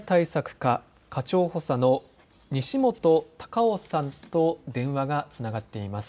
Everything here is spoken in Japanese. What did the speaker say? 課課長補佐の西本さんと電話がつながっています。